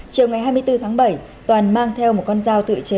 chiều ngày hai mươi bốn tháng bảy toàn mang theo một con dao tự chế